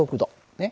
ねっ。